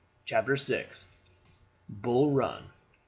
CHAPTER VI. BULL RUN.